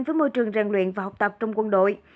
với môi trường rèn luyện và học tập trong quân đội